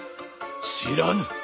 知らぬ。